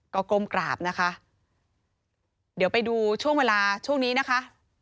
ก็ก้มกราบนะคะเดี๋ยวไปดูช่วงเวลาช่วงนี้นะคะ